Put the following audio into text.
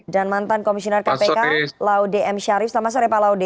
dan mantan komisioner kpk laude m syarif selamat sore pak laude